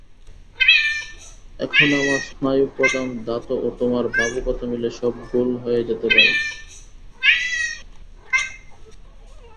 এখন আমার স্নায়ুপ্রধান ধাত ও তোমার ভাবুকতা মিলে সব গোল হয়ে যেতে পারে।